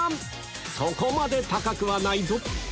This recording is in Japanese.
そこまで高くはないぞ